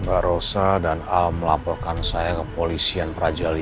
mbak rosa dan al melaporkan saya ke polisian praja v